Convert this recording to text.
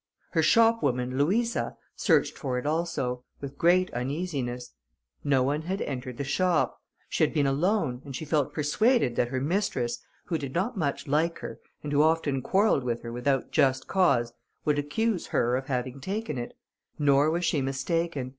Her shopwoman, Louisa, searched for it also, with great uneasiness. No one had entered the shop; she had been alone, and she felt persuaded that her mistress, who did not much like her, and who often quarrelled with her without just cause, would accuse her of having taken it: nor was she mistaken.